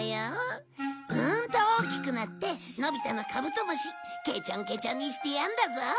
うんと大きくなってのび太のカブトムシけちょんけちょんにしてやるんだぞ。